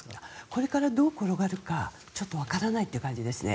これからどう転がるかちょっとわからない感じですね。